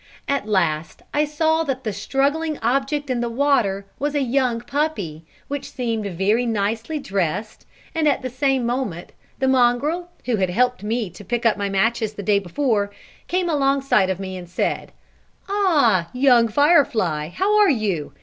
At last I saw that the struggling object in the water was a young puppy, which seemed very nicely dressed, and at the same moment the mongrel, who had helped me to pick up my matches the day before, came alongside of me, and said: "Ah, young firefly, how are you?